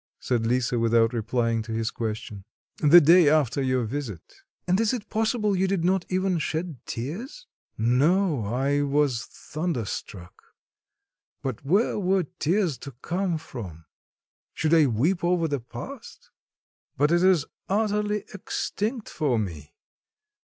said Lisa, without replying to his question. "The day after your visit." "And is it possible you did not even shed tears?" "No. I was thunderstruck; but where were tears to come from? Should I weep over the past? but it is utterly extinct for me!